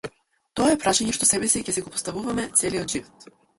Тоа е прашање што себеси ќе си го поставуваме целиот живот.